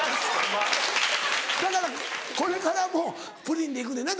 だからこれからもプリンでいくねんなだから。